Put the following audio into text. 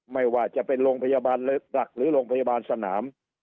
ไม่ว่าจะเป็นโรงพยาบาลหลักหรือโรงพยาบาลสนาม